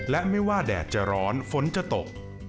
และไม่ว่าแดดจะร้อนฝนจะตก